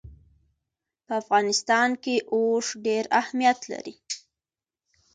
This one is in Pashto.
په افغانستان کې اوښ ډېر اهمیت لري.